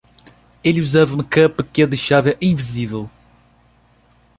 Ela usava uma capa que a deixava invisível